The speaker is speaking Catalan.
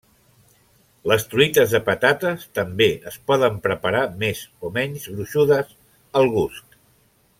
Les truites de patates també es poden preparar més o menys gruixudes al gust.